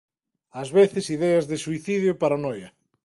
Ás veces ideas de suicidio e paranoia.